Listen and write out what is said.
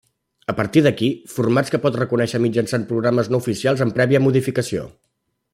A partir d'aquí formats que pot reconèixer mitjançant programes no oficials amb prèvia modificació.